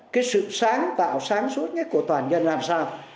cái sự sáng tạo sáng suốt nhất của toàn dân làm sao